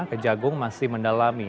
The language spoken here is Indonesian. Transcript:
kejagung masih mendalami